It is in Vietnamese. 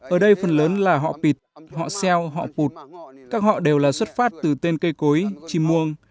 ở đây phần lớn là họ pịt họ xeo họ pụt các họ đều là xuất phát từ tên cây cối chim muông